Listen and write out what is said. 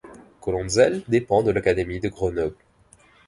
Colonzelle dépend de l'académie de Grenoble.